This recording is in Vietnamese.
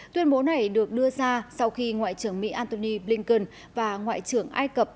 tuyên bố này được đưa ra sau khi ngoại trưởng mỹ antony blinken và ngoại trưởng ai cập